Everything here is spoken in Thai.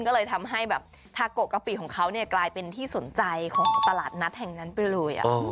ก็เลยทำให้แบบทาโกะกะปิของเขาเนี่ยกลายเป็นที่สนใจของตลาดนัดแห่งนั้นไปเลย